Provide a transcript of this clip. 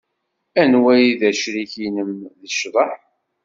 Anwa ay d acrik-nnem deg ccḍeḥ?